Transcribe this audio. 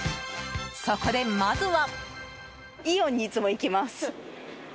そこで、まずは。